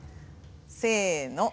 せの。